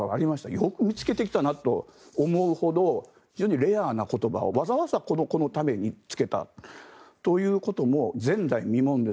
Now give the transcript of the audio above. よく見つけてきたなと思うほどの非常にレアな言葉をわざわざこの子のためにつけたということも前代未聞です。